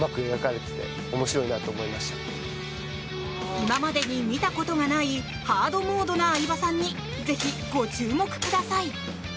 今までに見たことがないハードモードな相葉さんにぜひご注目ください！